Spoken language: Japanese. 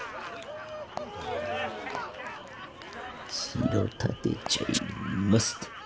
城建てちゃいますと。